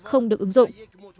không được ứng dụng